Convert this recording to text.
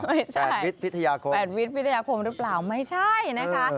ไม่ใช่แฝดวิทยาคมแฝดวิทยาคมหรือเปล่าไม่ใช่นะคะ